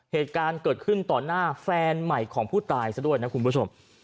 เหตุการณ์เกิดขึ้นต่อหน้าแฟนใหม่ของผู้ตายซะด้วยนะคุณผู้ชม